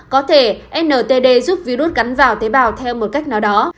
có thể ntd giúp virus cắn vào tế bào theo một cách nào đó